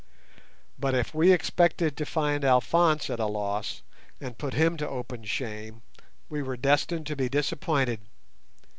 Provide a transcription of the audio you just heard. But if we expected to find Alphonse at a loss and put him to open shame we were destined to be disappointed.